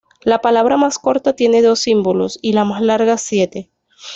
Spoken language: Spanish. La palabra más corta tiene dos símbolos, y la más larga siete.